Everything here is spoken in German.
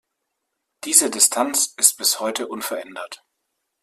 Diese Distanz ist bis heute unverändert.